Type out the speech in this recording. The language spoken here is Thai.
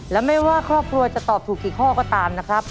และไม่ว่าครอบครัวจะตอบถูกกี่ข้อก็ตามนะครับ